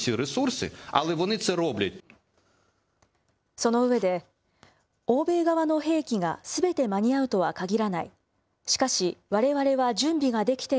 その上で、欧米側の兵器がすべて間に合うとはかぎらない。